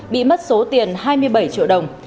bị mất số tiền hai mươi bảy triệu đồng